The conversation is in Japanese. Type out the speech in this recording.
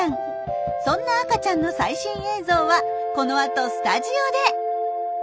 そんな赤ちゃんの最新映像はこの後スタジオで！